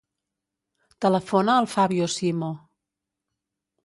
Telefona al Fabio Simo.